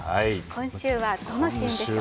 今週はどのシーンでしょうか？